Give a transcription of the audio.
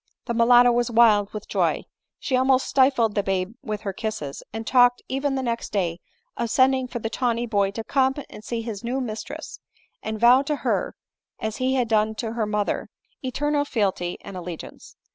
The mulatto was wild with joy ; she almost stifled the babe with her kisses, and talked even the next day of sending for the tawny boy to come and see his new mis tress, and vow to her as he had done to her mother, eternal fealty and allegiance.